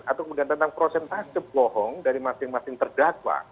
atau kemudian tentang prosentase bohong dari masing masing terdakwa